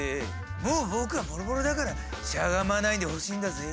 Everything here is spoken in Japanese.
もう僕はボロボロだからしゃがまないでほしいんだぜぇ。